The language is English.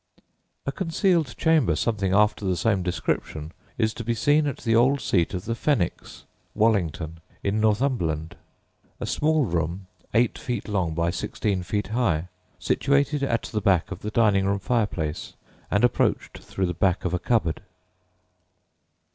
A concealed chamber something after the same description is to be seen at the old seat of the Fenwicks, Wallington, in Northumberland a small room eight feet long by sixteen feet high, situated at the back of the dining room fireplace, and approached through the back of a cupboard.